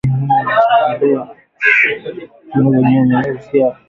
Viongozi wa Jumuiya ya Maendeleo Kusini mwa Afrika wahamasisha ukuaji uchumi Kilimo na Madini